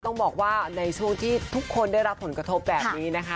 ต้องบอกว่าในช่วงที่ทุกคนได้รับผลกระทบแบบนี้นะคะ